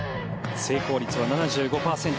成功率は７５％。